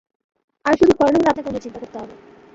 আর শুধু করোনা হলে আপনাকে অন্য চিন্তা করতে হবে।